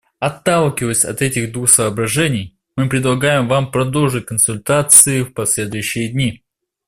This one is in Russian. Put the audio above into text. Отталкиваясь от этих двух соображений, мы предлагаем Вам продолжить консультации в последующие дни.